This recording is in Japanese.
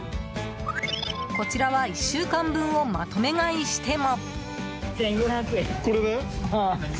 こちらは１週間分をまとめ買いしても。